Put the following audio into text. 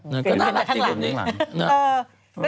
นั่นคือถ้าทั้งหลัง